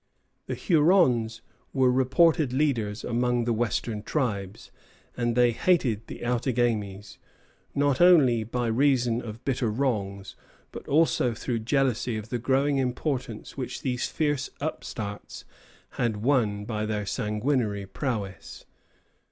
The Hurons were reputed leaders among the western tribes, and they hated the Outagamies, not only by reason of bitter wrongs, but also through jealousy of the growing importance which these fierce upstarts had won by their sanguinary prowess.